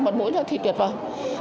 một mũi rồi thì tuyệt vời